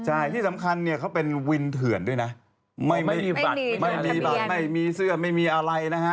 ใช่ที่สำคัญเนี่ยเขาเป็นวินเถื่อนด้วยนะไม่มีบัตรไม่มีบัตรไม่มีเสื้อไม่มีอะไรนะฮะ